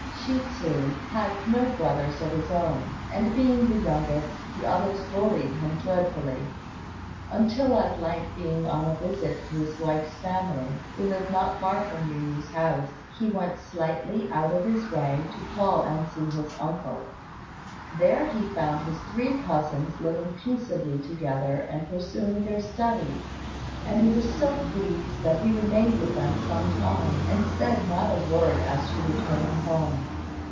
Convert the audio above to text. Chi tsu had no brothers of his own, and, being the youngest, the others bullied him dreadfully; until at length, being on a visit to his wife's family, who lived not far from Yu yü's house, he went slightly out of his way to call and see his uncle. There he found his three cousins living peaceably together and pursuing their studies, and was so pleased that he remained with them some time, and said not a word as to returning home.